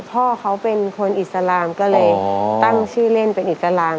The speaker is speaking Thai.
พ่อเขาเป็นคนอิสลามก็เลยตั้งชื่อเล่นเป็นอิสลาม